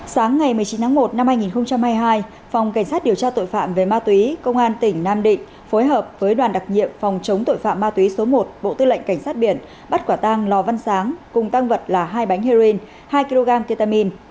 sáng ngày một mươi chín tháng một năm hai nghìn hai mươi hai phòng cảnh sát điều tra tội phạm về ma túy công an tỉnh nam định phối hợp với đoàn đặc nhiệm phòng chống tội phạm ma túy số một bộ tư lệnh cảnh sát biển bắt quả tang lò văn sáng cùng tăng vật là hai bánh heroin hai kg ketamin